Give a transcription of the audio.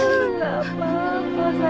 nek tidak apa apa